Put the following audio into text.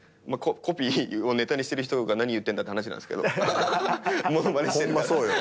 コピーをネタにしてる人が何言ってんだって話なんすけど。